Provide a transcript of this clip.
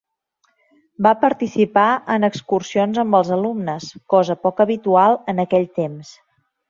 Va participar en excursions amb els alumnes, cosa poc habitual en aquell temps.